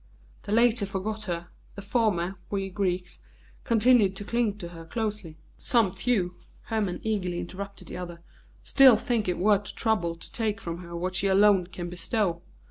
The latter forgot her; the former we Greeks continued to cling to her closely." "Some few," Hermon eagerly interrupted the other, "still think it worth the trouble to take from her what she alone can bestow.